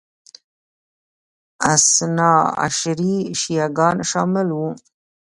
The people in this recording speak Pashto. اثناعشري شیعه ګان شامل وو